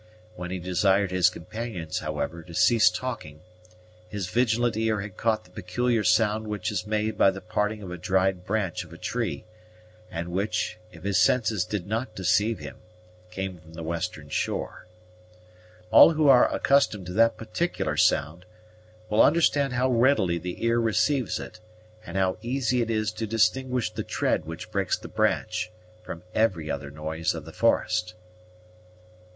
When he desired his companions, however, to cease talking, his vigilant ear had caught the peculiar sound which is made by the parting of a dried branch of a tree and which, if his senses did not deceive him, came from the western shore. All who are accustomed to that particular sound will understand how readily the ear receives it, and how easy it is to distinguish the tread which breaks the branch from every other noise of the forest.